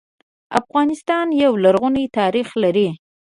افغانستان يو لرغونی تاريخ لري